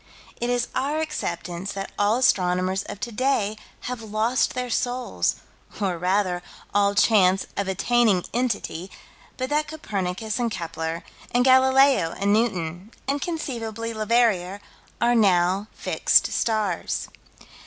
It is our acceptance that all astronomers of today have lost their souls, or, rather, all chance of attaining Entity, but that Copernicus and Kepler and Galileo and Newton, and, conceivably, Leverrier are now fixed stars.